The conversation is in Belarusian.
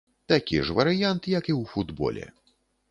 Такі ж варыянт, як і ў футболе.